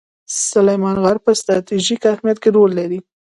سلیمان غر په ستراتیژیک اهمیت کې رول لري.